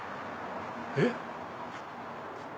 えっ？